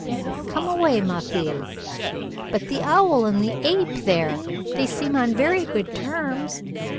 "Come away, ma fille." "But the owl and the ape, there, they seem on very good terms.